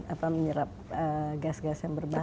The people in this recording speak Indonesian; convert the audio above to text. apa menyerap gas gas yang berbahaya